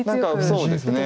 そうですね。